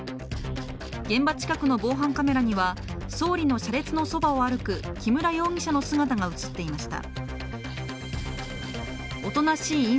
現場近くの防犯カメラには総理の車列のそばを歩く木村容疑者の姿が映っていました。